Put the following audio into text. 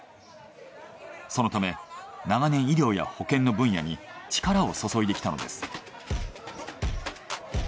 そのため長年医療や保健の分野に力を注いできたのです。